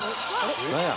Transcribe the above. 何や？